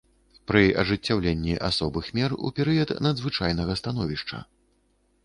Пры ажыццяўленні асобых мер у перыяд надзвычайнага становішча.